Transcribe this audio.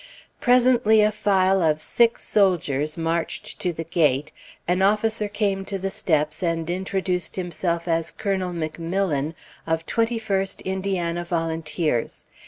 Presently a file of six soldiers marched to the gate, an officer came to the steps and introduced himself as Colonel McMillan, of 21st Indiana Volunteers.